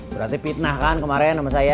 berarti fitnah kan kemarin sama saya